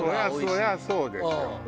そりゃそうですよ。